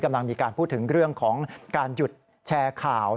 กำลังมีการพูดถึงเรื่องของการหยุดแชร์ข่าว